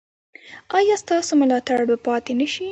ایا ستاسو ملاتړ به پاتې نه شي؟